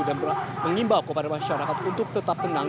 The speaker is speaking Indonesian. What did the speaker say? dan mengimbau kepada masyarakat untuk tetap tenang